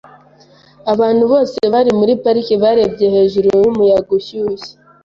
Abantu bose bari muri parike barebye hejuru yumuyaga ushyushye .